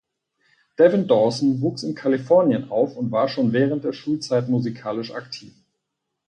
Devin Dawson wuchs in Kalifornien auf und war schon während der Schulzeit musikalisch aktiv.